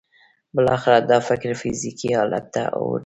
بالاخره دا فکر فزیکي حالت ته اوړي